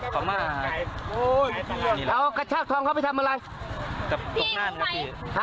กระชากทองเขาไปทำอะไร